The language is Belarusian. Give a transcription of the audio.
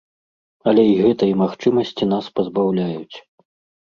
Але і гэтай магчымасці нас пазбаўляюць.